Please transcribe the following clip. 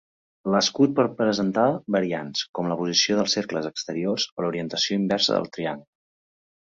L'escut pot presentar variants, com la posició dels cercles exteriors o l'orientació inversa del triangle.